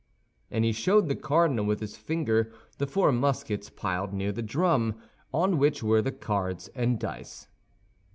And he showed the cardinal, with his finger, the four muskets piled near the drum, on which were the cards and dice.